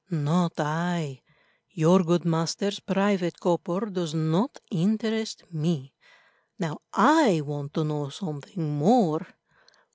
"Not I; your good master's private cupboard does not interest me. Now I want to know something more.